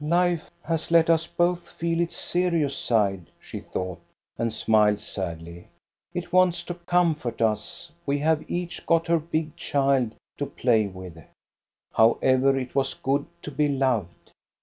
" Life has let us both feel its serious side," she thought, and smiled sadly. " It wants to comfort us ; we have each got her big child to play with." 366 THE STORY OF GOSTA BERLING However, it was good to be loved.